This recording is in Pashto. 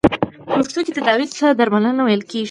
په پښتو کې تداوې ته درملنه ویل کیږی.